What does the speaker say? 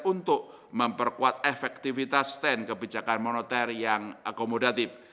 untuk memperkuat efektivitas stand kebijakan moneter yang akomodatif